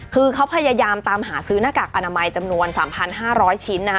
คือเขาพยายามตามหาซื้อหน้ากากอนามัยจำนวน๓๕๐๐ชิ้นนะคะ